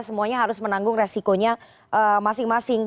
semuanya harus menanggung resikonya masing masing